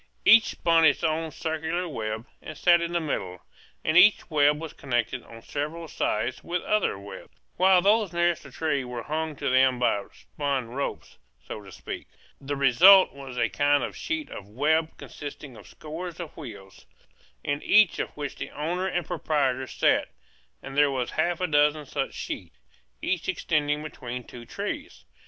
Each spun its own circular web, and sat in the middle; and each web was connected on several sides with other webs, while those nearest the trees were hung to them by spun ropes, so to speak. The result was a kind of sheet of web consisting of scores of wheels, in each of which the owner and proprietor sat; and there were half a dozen such sheets, each extending between two trees.